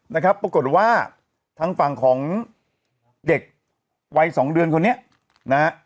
นะครับปรากฏว่าทางฝั่งของเด็กวัยสองเดือนคนนี้นะฮะ